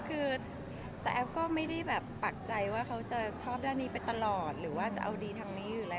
คือแต่แอฟก็ไม่ได้แบบปักใจว่าเขาจะชอบเรื่องนี้ไปตลอดหรือว่าจะเอาดีทางนี้อยู่แล้ว